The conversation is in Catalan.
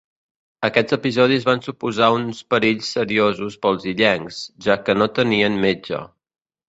Aquests episodis van suposar uns perills seriosos pels illencs, ja que no tenien metge.